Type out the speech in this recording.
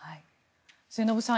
末延さん